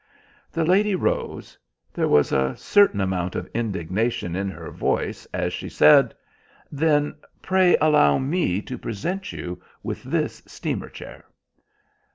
The lady rose. There was a certain amount of indignation in her voice as she said— "Then pray allow me to present you with this steamer chair."